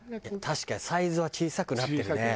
確かにサイズは小さくなってるね。